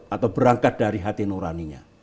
atau berangkat dari hati nuraninya